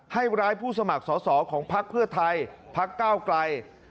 ให้ร้ายผู้สมัครสอสอของพักเพื่อไทยพักก้าวไกล